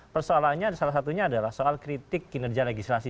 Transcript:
persoalannya salah satunya adalah soal kritik kinerja legislasi